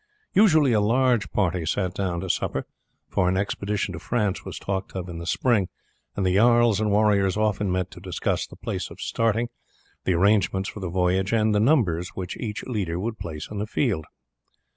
Usually a large party sat down to supper, for an expedition to France was talked of in the spring, and the jarls and warriors often met to discuss the place of starting, the arrangements for the voyage, and the numbers which each leader would place in the field.